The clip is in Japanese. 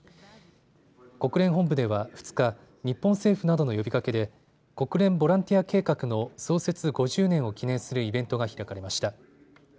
国連本部では２日、日本政府などの呼びかけで国連ボランティア計画の創設５０年を記念するイベントが開かれました。